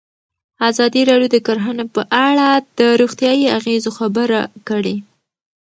ازادي راډیو د کرهنه په اړه د روغتیایي اغېزو خبره کړې.